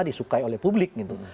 disukai oleh publik gitu